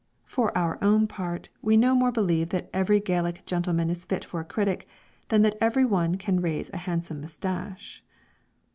For our own part, we no more believe that every Gallic gentleman is fit for a critic, than that every one can raise a handsome moustache.